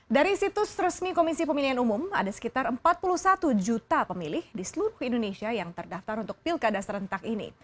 dari situs resmi komisi pemilihan umum ada sekitar empat puluh satu juta pemilih di seluruh indonesia yang terdaftar untuk pilkada serentak ini